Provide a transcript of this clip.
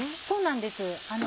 そうなんです。